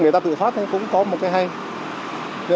người ta tự phát cũng có một cái hay